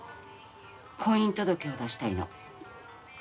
婚姻届を出したいの。